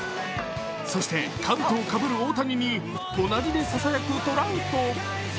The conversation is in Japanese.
そして、かぶとをかぶる大谷に隣でささやくトラウト。